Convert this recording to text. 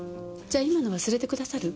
じゃ今の忘れてくださる？